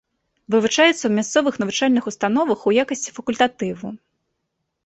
Вывучаецца ў мясцовых навучальных установах у якасці факультатыву.